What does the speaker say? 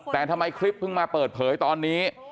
แต่ทำไมคลิปเพิ่งมาเปิดเผยตอนนี้